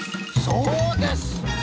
そうです！